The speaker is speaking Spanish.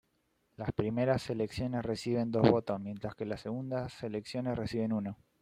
Las primeras selecciones reciben dos votos, mientras que las segunda selecciones reciben uno.